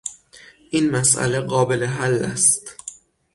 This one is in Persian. این مسئله قابل حل است.